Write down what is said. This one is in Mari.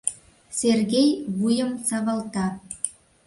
— Сергей вуйым савалта.